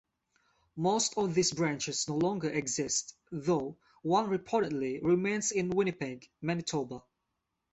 Most of these branches no longer exist though one reportedly remains in Winnipeg, Manitoba.